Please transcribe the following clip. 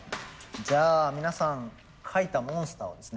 じゃあ皆さん描いたモンスターをですね